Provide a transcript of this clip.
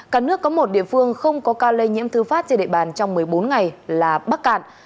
cả nước có một địa phương không có ca lây nhiễm thư phát trên địa bàn trong một mươi bốn ngày là bắc cạn